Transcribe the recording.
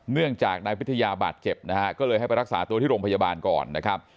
เนื่องจากนายพิทยาบาดเจ็บนะฮะก็เลยให้ไปรักษาตัวที่โรงพยาบาลก่อนนะครับ